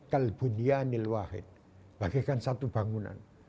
kalbunianil wahid bagikan satu bangunan